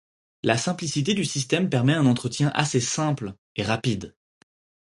La simplicité du système permet un entretien assez simple et rapide.